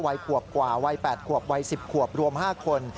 วัยขวบกว่าวัย๘ขวบวัย๑๐ขวบรวม๕คน